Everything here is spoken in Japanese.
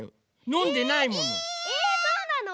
のんでないもの。